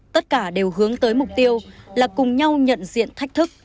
tất cả đều hướng tới mục tiêu là cùng nhau nhận diện thách thức